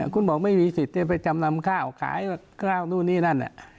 คุณบอกไม่มีสิทธิ์จะไปจำนำข้าวขายข้าวนู่นนี่นั่น